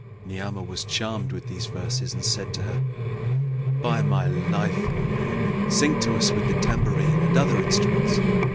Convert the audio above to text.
Ni'amah was charmed with these verses and said to her, "By my life, O Naomi, sing to us with the tambourine and other instruments!"